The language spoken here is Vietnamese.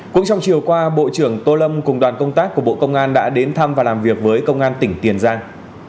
cũng trong chiều qua bộ trưởng tô lâm cùng đoàn công tác của bộ công an đã đến thăm và làm việc với công an tỉnh tiền giang